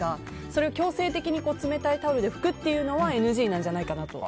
それを強制的に冷たいタオルで拭くというのはＮＧなんじゃないかなと。